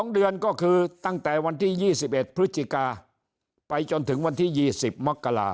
๒เดือนก็คือตั้งแต่วันที่๒๑พฤศจิกาไปจนถึงวันที่๒๐มกรา